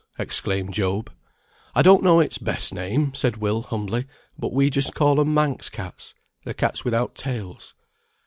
exclaimed Job. "I don't know its best name," said Will, humbly. "But we call 'em just Manx cats. They're cats without tails."